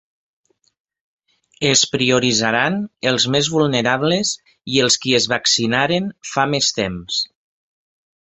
Es prioritzaran els més vulnerables i els qui es vaccinaren fa més temps.